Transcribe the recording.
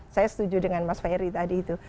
saya setuju dengan mas ferry tadi itu